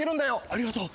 ありがとう。